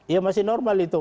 ya masih normal itu